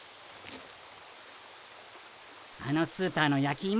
あのスーパーのやきいも